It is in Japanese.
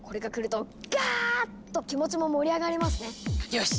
よし！